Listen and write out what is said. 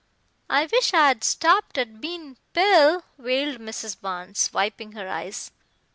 I wish I'd stopped at bein' Pill," wailed Mrs. Barnes, wiping her eyes.